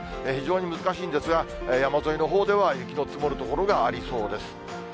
非常に難しいんですが、山沿いのほうでは雪の積もる所がありそうです。